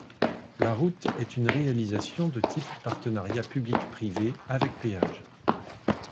La route est une réalisation de type partenariat Public-privé avec péage.